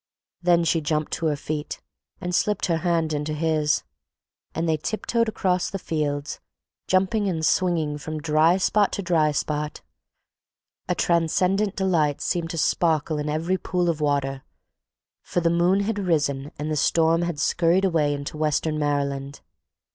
Then she jumped to her feet and slipped her hand into his, and they tiptoed across the fields, jumping and swinging from dry spot to dry spot. A transcendent delight seemed to sparkle in every pool of water, for the moon had risen and the storm had scurried away into western Maryland.